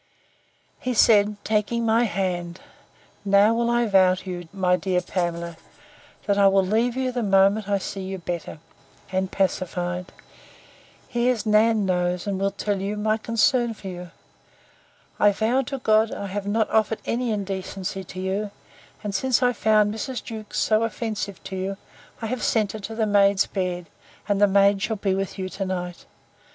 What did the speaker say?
He said, taking my hand, Now will I vow to you, my dear Pamela, that I will leave you the moment I see you better, and pacified. Here's Nan knows, and will tell you, my concern for you. I vow to God, I have not offered any indecency to you: and, since I found Mrs. Jewkes so offensive to you, I have sent her to the maid's bed, and the maid shall be with you to night.